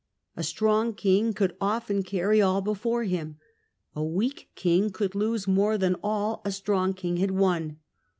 A strong king could often carry all before him; a weak king could lose more than all a strong king had won.